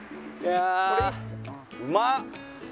うまっ！